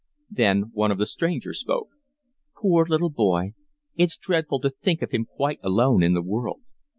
Then one of the strangers spoke. "Poor little boy, it's dreadful to think of him quite alone in the world.